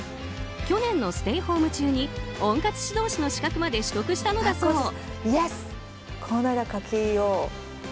去年のステイホーム中に温活指導士の資格まで取得したのだそう。